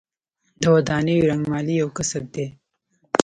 د ودانیو رنګمالي یو کسب دی